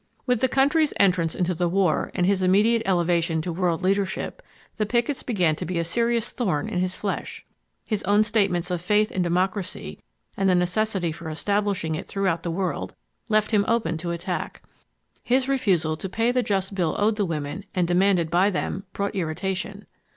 With the country's entrance into the war and his immediate elevation to world leadership, the pickets began to be a serious thorn in his flesh. His own statements of faith in democracy and the necessity for establishing it .throughout the world left him open to attack. His refusal to pay the just bill owed the women and demanded by them brought irritation.